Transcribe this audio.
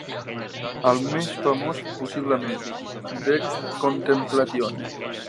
El més famós possiblement "De contemplatione".